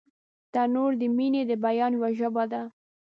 تنور د مینې د بیان یوه ژبه ده